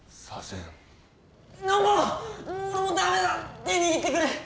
手ぇ握ってくれ！